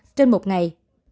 trên một ngày